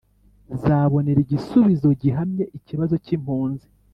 zabonera igisubizo gihamye ikibazo cy' impunzi